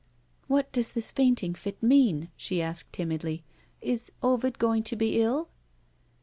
"What does this fainting fit mean?" she asked timidly. "Is Ovid going to be ill?"